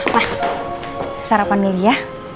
mas sarapan dulu ya